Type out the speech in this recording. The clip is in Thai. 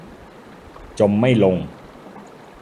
จมไม่ลง